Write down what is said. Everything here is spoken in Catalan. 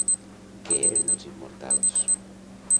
Què eren els Immortals?